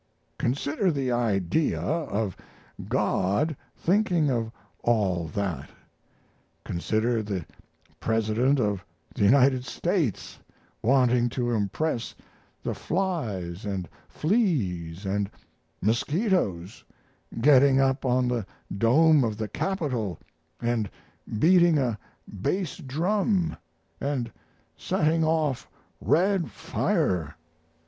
Consider the idea of God thinking of all that. Consider the President of the United States wanting to impress the flies and fleas and mosquitoes, getting up on the dome of the Capitol and beating a bass drum and setting off red fire."